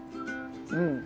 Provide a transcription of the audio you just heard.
うん。